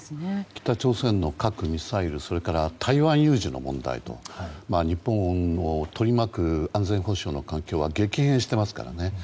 北朝鮮の核・ミサイルそれから台湾有事の問題と日本を取り巻く安全保障の環境は激変してますからね。